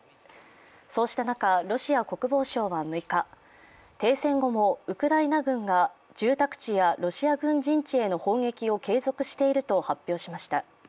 そうした中、ロシア国防省は６日、停戦後もウクライナ軍が住宅地やロシア軍陣地への砲撃を継続していると発表しました。